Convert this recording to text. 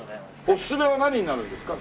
オススメは何になるんですか？